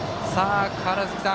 川原崎さん